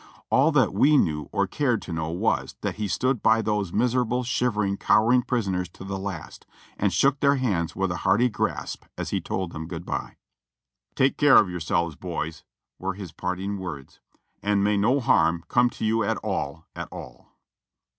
All that zvc knew or cared to know was, that he stood by those miserable, shivering, cowering prisoners to the last, and shook their hands with a hearty grasp as he told them good by. "Take care of yourselves, boys," were his parting words, "and may no harm come to you at all, at all."